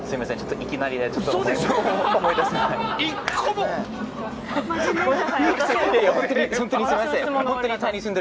いきなりで思い出せない。